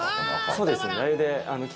そうです